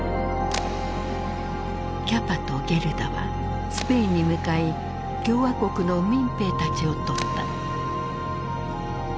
キャパとゲルダはスペインに向かい共和国の民兵たちを撮った。